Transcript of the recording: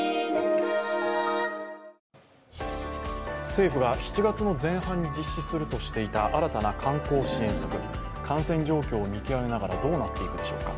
政府が７月の前半に実施するとしていた新たな観光支援策感染状況を見極めながらどうなっていくでしょうか。